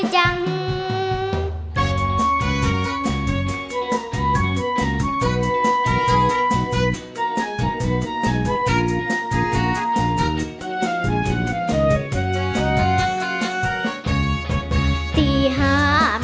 เพลงเก่งของคุณครับ